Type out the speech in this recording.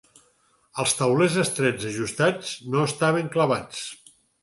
Els taulers estrets ajustats no estaven clavats.